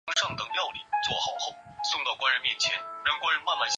汉江最大支流堵河位于该县境内。